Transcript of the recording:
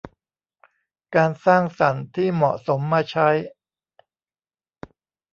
การสร้างสรรค์ที่เหมาะสมมาใช้